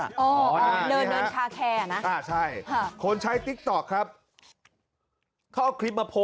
อ๋อเนินเนินนะอ่ะใช่ค่ะคนใช้ครับเขาเอาคลิปมา